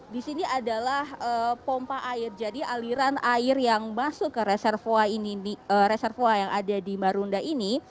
di sini adalah pompa air jadi aliran air yang masuk ke reservoir yang ada di marunda ini